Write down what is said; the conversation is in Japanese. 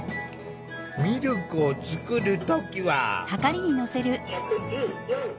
ミルクを作る時は。